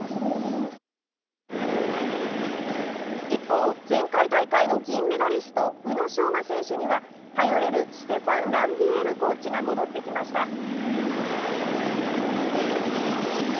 一方、前回大会の銀メダリスト、宇野昌磨選手には、頼れるステファン・ランビエールコーチが戻ってきました。